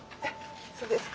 そうですか。